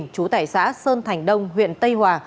chú tải xã sơn thành đông huyện tây hòa